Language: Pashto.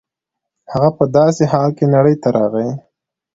هغه په داسې حال کې نړۍ ته راغی